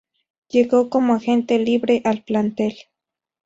Llegó como Agente libre al plantel.